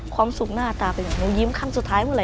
ความสุขหน้าตาเป็นอย่างหนูยิ้มครั้งสุดท้ายเมื่อไ